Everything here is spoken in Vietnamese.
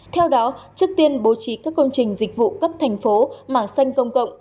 theo đó trước tiên bố trí các công trình dịch vụ cấp thành phố mảng xanh công cộng